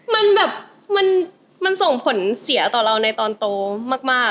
มันแบบมันส่งผลเสียต่อเราในตอนโตมาก